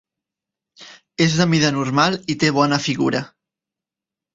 És de mida normal i té bona figura.